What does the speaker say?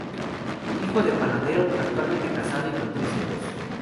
Hijo de panadero, actualmente casado y con tres hijos.